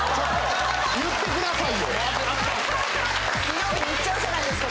水曜日に行っちゃうじゃないですか